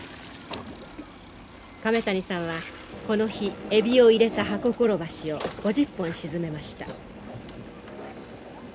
亀谷さんはこの日エビを入れた箱コロバシを５０本沈めました。